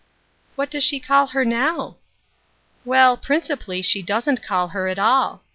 " What does she call her now ?"" Well, principally she doesn't call her at all.